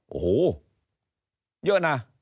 โอ้โหเยอะนะ